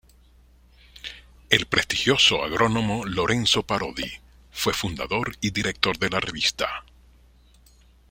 El prestigioso agrónomo Lorenzo Parodi fue fundador y director de la revista.